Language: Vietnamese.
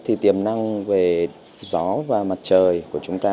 thì tiềm năng về gió và mặt trời của chúng ta